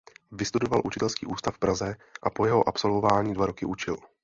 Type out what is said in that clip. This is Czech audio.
Vystudoval učitelský ústav v Praze a po jeho absolvování dva roky učil.